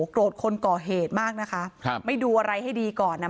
โกรธคนก่อเหตุมากนะคะครับไม่ดูอะไรให้ดีก่อนอ่ะ